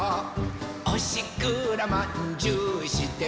「おしくらまんじゅうしてみよう」